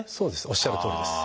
おっしゃるとおりです。